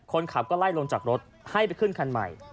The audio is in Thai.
คนขับก็ไล่ลงจากรถให้ไปขึ้นคันใหม่